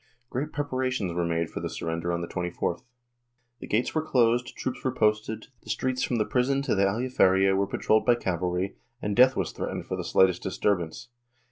Great preparations were made for the surrender on the 24th. The gates were closed, troops w^re posted, the streets from the prison to the Aljaferia were patrolled by cavalry, and death was threat ened for the slightest disturbance.